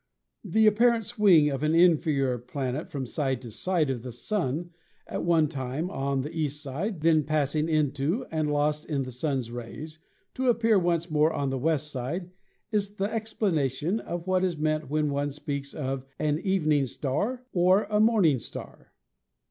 The apparent swing of an inferior planet from side to side of the Sun, at one time on the east side, then passing into and lost in the Sun's rays, to appear once more on the west side, is the explanation of what is meant when one speaks of an "evening star" or a "morning star."